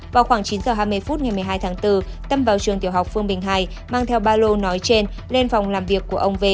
vào khoảng chín h hai mươi phút ngày một mươi hai tháng bốn tâm vào trường tiểu học phương bình hai mang theo ba lô nói trên lên phòng làm việc của ông về